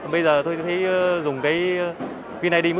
bây giờ tôi thấy dùng cái tài khoản định danh điện tử